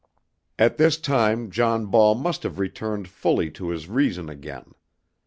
At this time John Ball must have returned fully to his reason again.